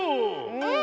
うん！